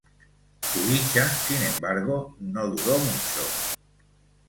Su dicha, sin embargo, no duró mucho.